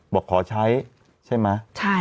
บอกขอใช้ใช่ไหม